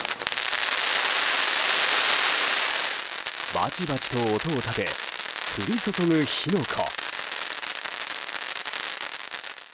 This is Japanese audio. バチバチと音を立て降り注ぐ火の粉。